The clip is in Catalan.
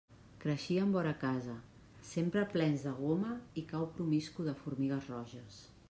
Creixien a vora casa, sempre plens de goma i cau promiscu de formigues roges.